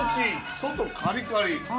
外カリカリ。